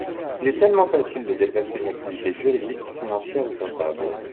Il est tellement facile de déplacer une activité juridique, financière ou comptable.